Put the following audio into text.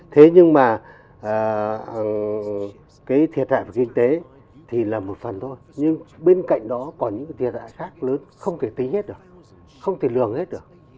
thế nhưng mà cái thiệt hại về kinh tế thì là một phần thôi nhưng bên cạnh đó còn những thiệt hại khác lớn không thể tính hết được không thể lường hết được